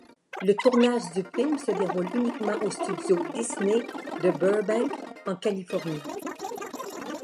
Le tournage du film se déroule uniquement aux studios Disney de Burbank, en Californie.